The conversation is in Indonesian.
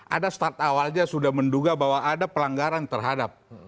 ada start awalnya sudah menduga bahwa ada pelanggaran terhadap